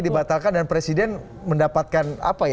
dibatalkan dan presiden mendapatkan